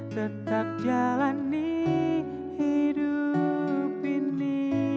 tetap jalani hidup ini